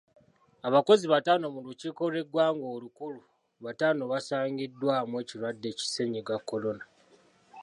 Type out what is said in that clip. Abakozi bataano mu lukiiko lw'eggwanga olukulu bataano basangiddwamu ekirwadde ki Ssennyiga Kolona.